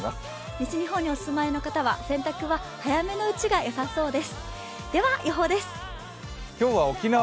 西日本にお住まいの方は洗濯は早めがよさそうです。